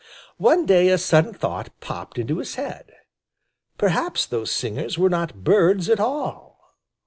One day a sudden thought popped into his head. Perhaps those singers were not birds at all!